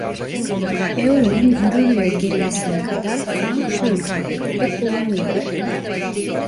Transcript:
Euro'nun yürürlüğe girmesine kadar frank şu ülkelerde de kullanılıyordu: